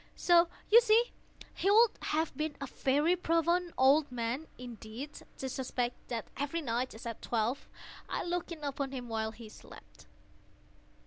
So you see he would have been a very profound old man, indeed, to suspect that every night, just at twelve, I looked in upon him while he slept.